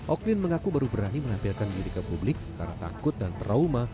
oklin mengaku baru berani menampilkan diri ke publik karena takut dan trauma